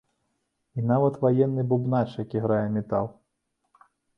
І нават ваенны бубнач, які грае метал!